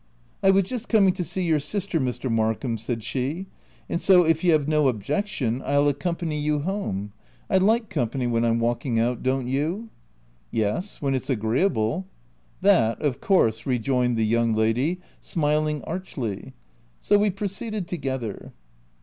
" I was just coming to see your sister, Mr. Markham/' said she ;" and so if you have no 2/6 THE TENANT objection, I'll accompany you home. I like company when Pm walking out — don't you ?"" Yes, when it's agreeable." "That of course," rejoined the young lady, smiling archly. So we proceeded together.